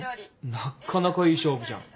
なっかなかいい勝負じゃん。